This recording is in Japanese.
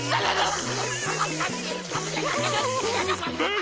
あ！